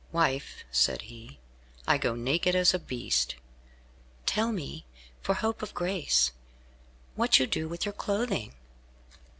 "Wife," said he, "I go naked as a beast." "Tell me, for hope of grace, what you do with your clothing?"